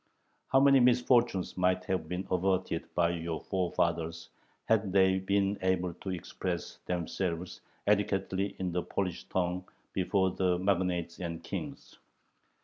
How many misfortunes might have been averted by your forefathers, had they been able to express themselves adequately in the Polish tongue before the magnates and kings!